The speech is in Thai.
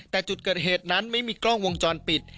แต่จุดเกิดเหตุนั้นไม่มีกล้องวงจรปิด